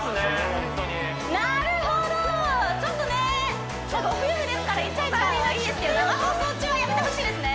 ホントになるほどちょっとねご夫婦ですからイチャイチャはいいですけど生放送中はやめてほしいですね